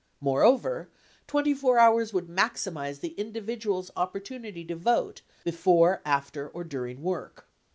Moreover, 24 hours would maximize the individual's opportunity to vote before, after or during work.